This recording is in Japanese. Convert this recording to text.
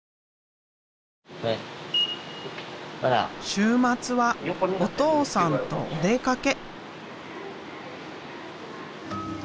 週末はお父さんとお出かけ。